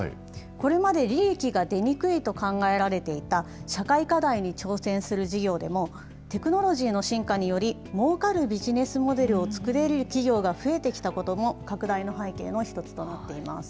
これまで利益が出にくいと考えられていた社会課題に挑戦する事業でも、テクノロジーの進化により、もうかるビジネスモデルを作れる企業が増えてきたことも、拡大の背景の一つとなっています。